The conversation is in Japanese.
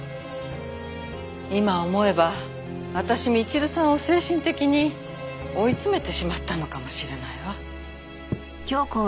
今思えば私みちるさんを精神的に追い詰めてしまったのかもしれないわ。